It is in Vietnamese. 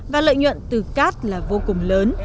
và lợi nhuận từ cát là vô cùng lớn